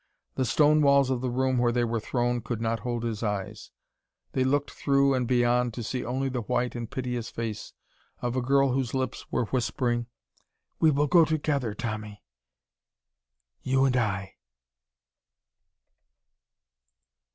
The stone walls of the room where they were thrown could not hold his eyes; they looked through and beyond to see only the white and piteous face of a girl whose lips were whispering: "We will go together, Tommy you and I."